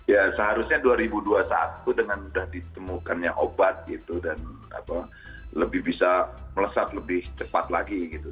ya seharusnya dua ribu dua puluh satu dengan sudah ditemukannya obat gitu dan lebih bisa melesat lebih cepat lagi gitu